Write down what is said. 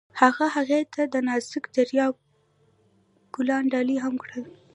هغه هغې ته د نازک دریا ګلان ډالۍ هم کړل.